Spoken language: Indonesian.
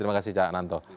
terima kasih cak nanto